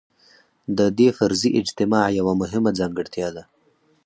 د دې فرضي اجتماع یوه مهمه ځانګړتیا ده.